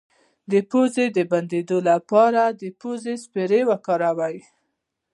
د پوزې د بندیدو لپاره د پوزې سپری وکاروئ